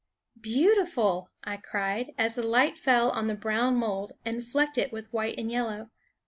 " Beautiful 1 " I cried, as the light fell on the brown mold and flecked it with, white and yellow.